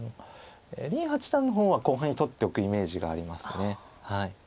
林八段の方は後半に取っておくイメージがあります。